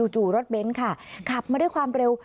จู่รถเบนท์ค่ะขับมาด้วยความเร็ว